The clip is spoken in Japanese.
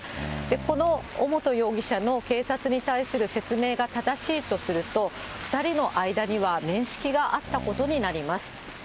この尾本容疑者の警察に対する説明が正しいとすると、２人の間には面識があったことになります。